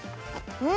うん！